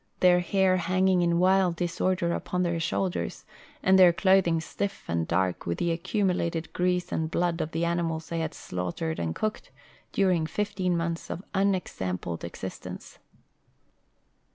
their hair THE NANSEN POLAR EXPEDITION 343 hanging in wild disorder upon their shoulders, and their cloth ing stiff and dark with the accumulated grease and blood of the animals they had slaughtered and cooked during fifteen months of unexampled existence.